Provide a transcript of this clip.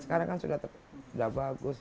sekarang kan sudah bagus